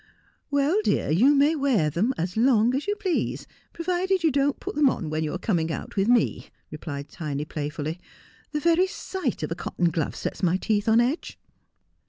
' "Well, dear, you may wear them as long as you please, pro vided you dou't put them on when you are coming out with me,' replied Tiny playfully. 'The very sight of a cotton glove sets my teeth on edge.'